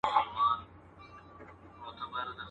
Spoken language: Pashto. آیینې ولي مي خوبونه د لحد ویښوې.